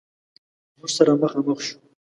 موږ سره مخامخ شو.